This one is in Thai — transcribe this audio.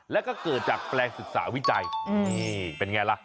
แล้วก็เกิดจากแปลงศึกษาวิจัยนี่เป็นไงล่ะ